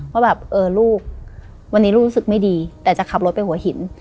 ว่าแบบเออลูกวันนี้ลูกรู้สึกไม่ดีแต่จะขับรถไปหัวหิน